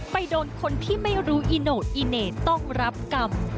โดนคนที่ไม่รู้อีโน่อีเหน่ต้องรับกรรม